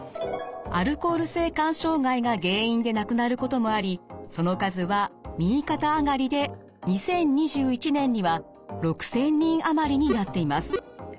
アルコール性肝障害が原因で亡くなることもありその数は右肩上がりで２０２１年には６，０００人余りになっています。